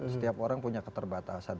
setiap orang punya keterbatasan